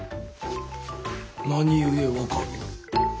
何故分かる？